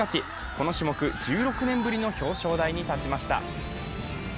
この種目、１６年ぶりの表彰台に立ちました。